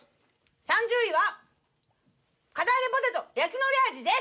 ３０位は堅あげポテト焼きのり味です。